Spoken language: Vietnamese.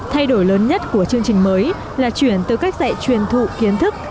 thay đổi lớn nhất của chương trình mới là chuyển từ cách dạy truyền thụ kiến thức